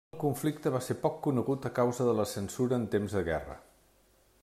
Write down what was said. El conflicte va ser poc conegut a causa de la censura en temps de guerra.